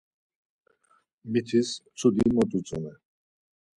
Mitiz mtsudi mot utzume.